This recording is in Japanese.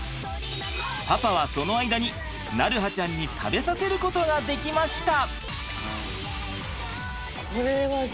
パパはその間に鳴映ちゃんに食べさせることができました。